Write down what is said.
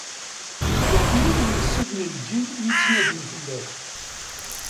D wagi i d nnṣib n lǧil i yettnadin fell-ak.